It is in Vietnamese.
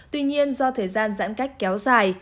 tuy nhiên do thời gian giãn cách kéo dài